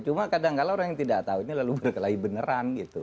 cuma kadang kadang orang yang tidak tahu ini lalu berkelahi beneran